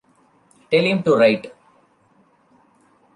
Tell him to write.